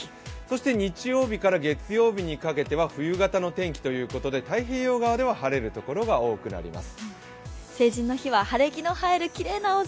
日曜日から月曜日にかけては冬型の天気ということで、太平洋側では晴れるところが多くなります。